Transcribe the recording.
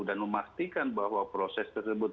dan memastikan bahwa proses tersebut